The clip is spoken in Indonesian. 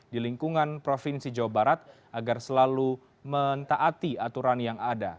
di lingkungan provinsi jawa barat agar selalu mentaati aturan yang ada